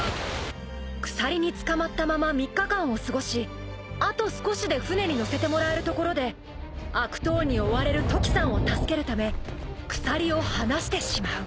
［鎖につかまったまま３日間を過ごしあと少しで船に乗せてもらえるところで悪党に追われるトキさんを助けるため鎖を離してしまう］